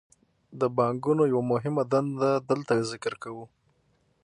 د بانکونو یوه مهمه دنده دلته ذکر کوو